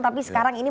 tapi sekarang ini